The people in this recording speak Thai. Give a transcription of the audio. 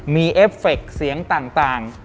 มีเอฟเฟคเสียงต่าง